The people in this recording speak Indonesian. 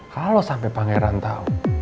kalau sampai pangeran tau